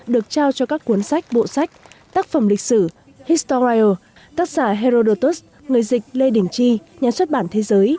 được trao cho các cuốn sách bộ sách tác phẩm lịch sử historial tác giả herodotus người dịch lê đình chi nhà xuất bản thế giới